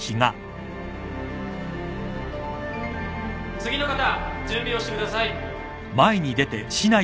・次の方準備をしてください。